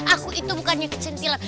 aku itu bukan nyukit centilan